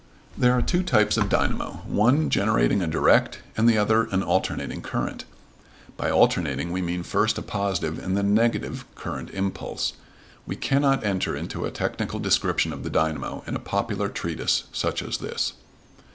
There are two types of dynamo, one generating a direct and the other an alternating current. (By alternating we mean first a positive and then a negative current impulse.) We cannot enter into a technical description of the dynamo in a popular treatise such as this.